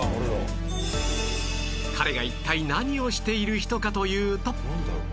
彼が一体何をしている人かというと